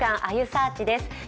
あゆサーチ」です。